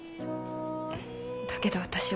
だけど私は。